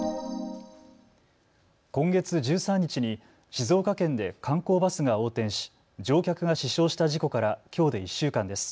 今月１３日に静岡県で観光バスが横転し乗客が死傷した事故からきょうで１週間です。